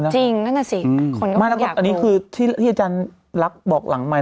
จริงน่ะสิอืมคนก็คงอยากดูอันนี้คือที่ที่อาจารย์ลักษณ์บอกหลังใหม่